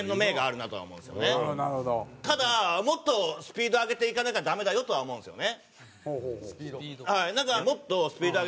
なのでもっとスピード上げていかなきゃダメだよとは思うんですよね。